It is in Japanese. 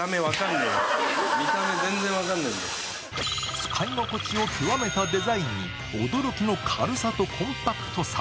使い心地を極めたデザインに驚きの軽さとコンパクさ。